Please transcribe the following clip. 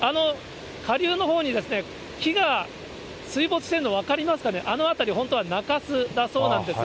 下流のほうに木が水没しているの分かりますかね、あの辺り、本当は中州だそうなんです。